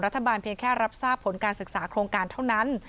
เพียงแค่รับทราบผลการศึกษาโครงการเท่านั้น